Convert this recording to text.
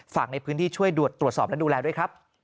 ฝากในพื้นที่ช่วยตรวจสอบและดูแลด้วยครับ